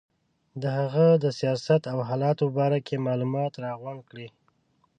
د هغه د سیاست او حالاتو په باره کې معلومات راغونډ کړي.